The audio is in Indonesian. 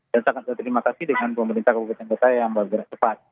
dan saya akan terima kasih dengan pemerintah kabupaten bk yang bergerak cepat